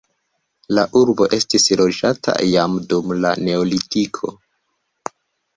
La urbo estis loĝata jam dum la neolitiko.